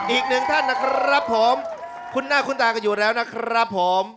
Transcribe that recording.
อีกหนึ่งท่านนะครับผมคุณหน้าคุณตากันอยู่แล้วนะครับผม